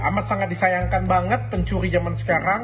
amat sangat disayangkan banget pencuri zaman sekarang